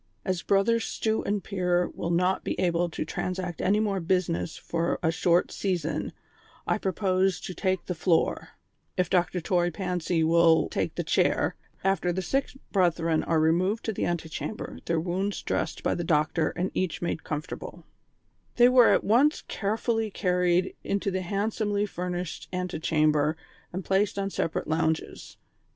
"As Brothers Stew and Pier will not be able to transact any more business for a short season, I propose to take the floor, if Dr. Toy Pancy will take the chair, after the sick brethren are removed to the anti chamber, their wounds dressed by the doctor and each made comfortable," They were at once carefully carried into the handsomely furnished anti chamber and placed on separate lounges.